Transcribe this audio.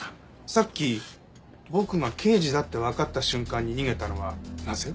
さっき僕が刑事だってわかった瞬間に逃げたのはなぜ？